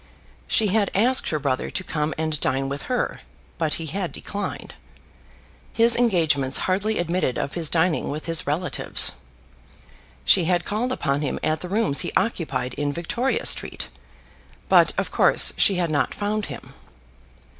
She had asked her brother to come and dine with her, but he had declined. His engagements hardly admitted of his dining with his relatives. She had called upon him at the rooms he occupied in Victoria Street, but of course she had not found him.